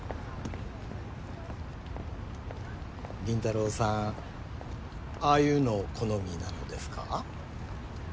倫太郎さんああいうの好みなのですか？